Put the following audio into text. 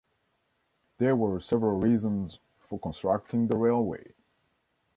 There were several reasons for constructing the railway.